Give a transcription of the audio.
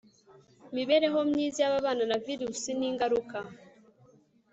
mibereho myiza y ababana na virusi n ingaruka